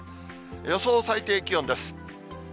予想最低気温です。